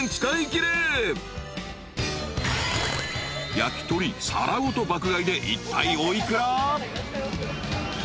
［焼き鳥皿ごと爆買いでいったいお幾ら？］